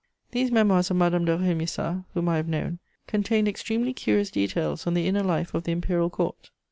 These Memoirs of Madame de Rémusat, whom I have known, contained extremely curious details on the inner life of the imperial Court.